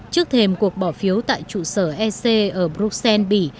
trước thêm cuộc bỏ phiếu tại trụ sở ec ở bruxelles bỉ